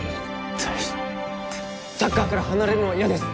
サッカーから離れるのは嫌です